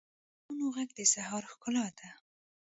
د مرغانو ږغ د سهار ښکلا ده.